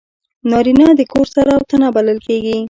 نارینه د کور سر او تنه بلل کېږي.